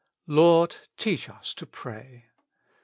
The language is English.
"Lord, teach us to pray."